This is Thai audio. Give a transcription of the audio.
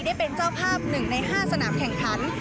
ได้เป็นเจ้าภาพ๑ใน๕สนามแข่งขัน